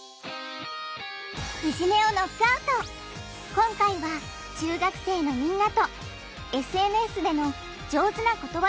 今回は中学生のみんなとＳＮＳでの「上手な断り方」を考えるよ！